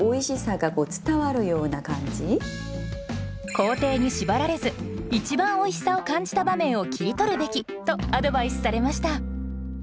工程に縛られず一番おいしさを感じた場面を切り取るべきとアドバイスされました。